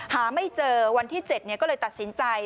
หาไม่เจอวันที่๗ก็เลยตัดสินใจ